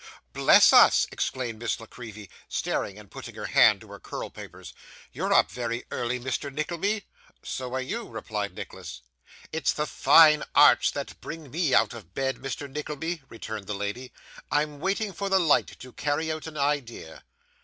'Bless us!' exclaimed Miss La Creevy, starting and putting her hand to her curl papers. 'You're up very early, Mr. Nickleby.' 'So are you,' replied Nicholas. 'It's the fine arts that bring me out of bed, Mr. Nickleby,' returned the lady. 'I'm waiting for the light to carry out an idea.